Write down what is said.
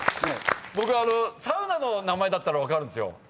僕サウナの名前だったら分かるんですよ。